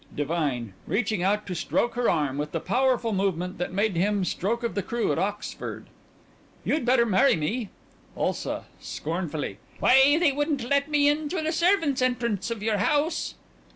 DIVINE: (Reaching out to stroke her arm with the powerful movement that made him stroke of the crew at Oxford) You'd better marry me. ULSA: (Scornfully) Why, they wouldn't let me in through the servants' entrance of your house.